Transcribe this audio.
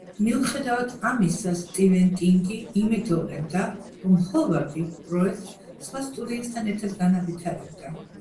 მიუხედავად ამისა, სტივენ კინგი იმედოვნებდა, რომ ჰოვარდი პროექტს სხვა სტუდიასთან ერთად განავითარებდა.